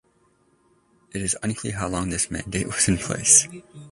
It is unclear how long this mandate was in place.